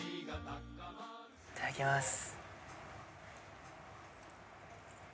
いただきます